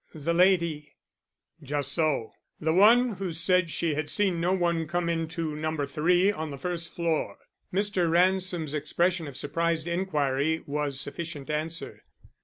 "The lady " "Just so; the one who said she had seen no one come into No. 3 on the first floor." Mr. Ransom's expression of surprised inquiry was sufficient answer.